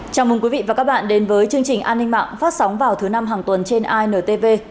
chào mừng quý vị và các bạn đến với chương trình an ninh mạng phát sóng vào thứ năm hàng tuần trên intv